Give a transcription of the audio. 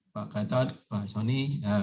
pak gatot pak soni